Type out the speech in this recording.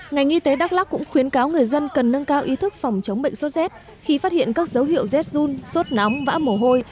ngành y tế đắk lắc cũng khuyến cáo người dân cần nâng cao ý thức phòng chống bệnh sốt rét khi phát hiện các dấu hiệu zun sốt nóng vã mổ hôi